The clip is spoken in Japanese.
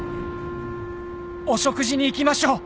「お食事に行きましょう！」